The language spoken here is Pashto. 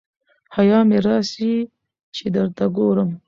حیا مي راسي چي درته ګورم